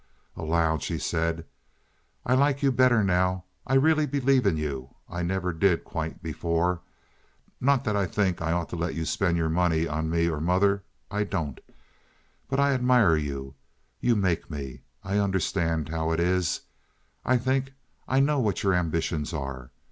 Aloud she said: "I like you better now. I really believe in you. I never did, quite, before. Not that I think I ought to let you spend your money on me or mother—I don't. But I admire you. You make me. I understand how it is, I think. I know what your ambitions are.